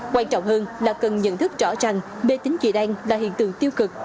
quan trọng hơn là cần nhận thức rõ ràng bê tính trị đăng là hiện tượng tiêu cực